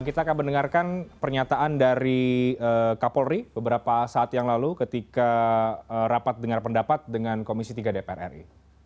kita akan mendengarkan pernyataan dari kapolri beberapa saat yang lalu ketika rapat dengar pendapat dengan komisi tiga dpr ri